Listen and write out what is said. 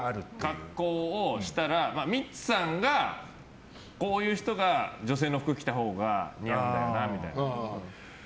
格好をしたら、ミッツさんがこういう人が女性の服着たほうが似合うんだよなみたいな。